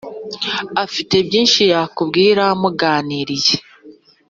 afite byishi yakubwira muganiriye